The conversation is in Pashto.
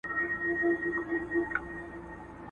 اول بویه چي انسان نه وي وطن کي !.